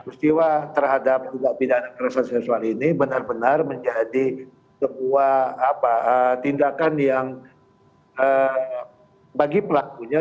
peristiwa terhadap tindak pidana kerasan seksual ini benar benar menjadi sebuah tindakan yang bagi pelakunya